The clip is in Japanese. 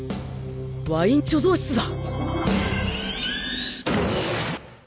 ワイン貯蔵室だ！